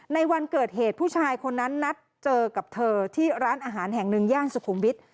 ในวันเกิดเหตุผู้ชายคนนั้นนัดเจอกับเธอที่ร้านอาหารแห่งหนึ่งย่านสุขุมวิทย์